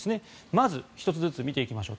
まず、１つずつ見ていきましょう。